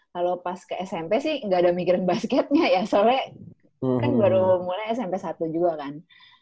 kalo pas ke smp sih ga ada mikirin basketnya ya soalnya kan baru mulai smp satu juga kan